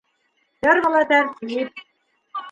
Фермала - тәртип.